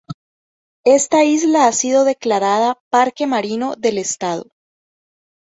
Esta isla ha sido declarada "Parque Marino del Estado".